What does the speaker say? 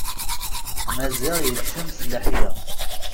Maziɣ yekcem s leḥya.